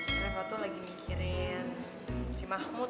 travel tuh lagi mikirin si mahmud